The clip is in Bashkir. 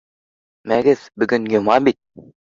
— Мәгеҙ, бөгөн йома бит!